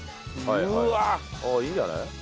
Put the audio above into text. うわっ！ああいいんじゃない？